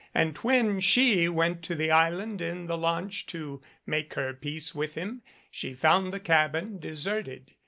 And when she went to the island in the launch to make her peace with him she found the cabin deserted.